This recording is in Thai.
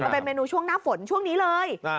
เป็นเมนูช่วงหน้าฝนช่วงนี้เลย